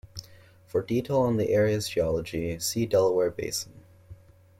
For detail on the area's geology, see Delaware Basin.